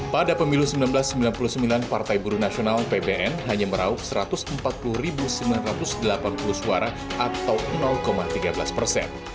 pada pemilu seribu sembilan ratus sembilan puluh sembilan partai buruh nasional pbn hanya meraup satu ratus empat puluh sembilan ratus delapan puluh suara atau tiga belas persen